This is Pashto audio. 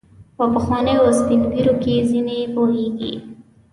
په پخوانیو سپین ږیرو کې ځینې یې پوهیږي.